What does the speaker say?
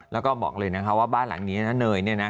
แล้วก็บอกเลยนะคะว่าบ้านหลังนี้นะเนยเนี่ยนะ